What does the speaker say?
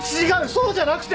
そうじゃなくて。